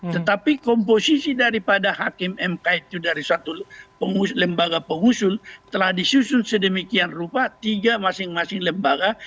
tetapi komposisi daripada hakim mk itu dari satu lembaga pengusul telah disusun sedemikian rupa tiga masing masing lembaga